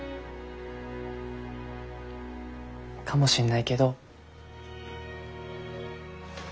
かもしんないけど。